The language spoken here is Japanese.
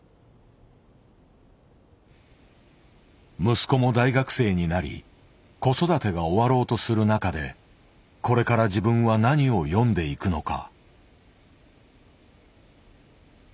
息子も大学生になり子育てが終わろうとする中でこれから自分は何を詠んでいくのか。